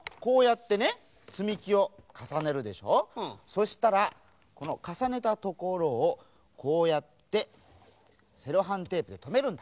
そしたらこのかさねたところをこうやってセロハンテープでとめるんだ。